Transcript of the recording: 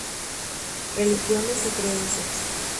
Religiones y creencias.